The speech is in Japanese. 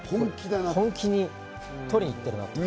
本気で取りに行っているなと。